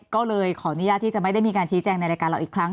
ก็เลยขออนุญาตที่จะไม่ได้มีการชี้แจงในรายการเราอีกครั้ง